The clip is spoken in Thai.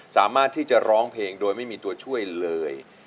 สามารถที่จะร้องเพลงโดยไม่มีตัวช่วยเลย